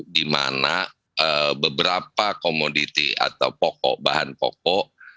di mana beberapa komoditi atau bahan pokok